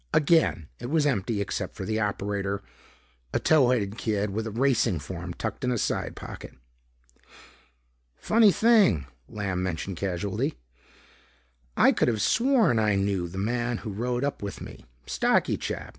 Again it was empty except for the operator, a tow headed kid with a Racing Form tucked in a side pocket. "Funny thing," Lamb mentioned casually, "I could've sworn I knew that man who rode up with me. Stocky chap.